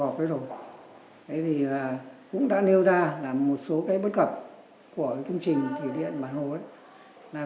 thế rồi thì cũng đã nêu ra là một số cái bất cập của công trình thủy điện bản hồ ấy